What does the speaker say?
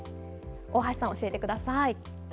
大橋さん、教えてください。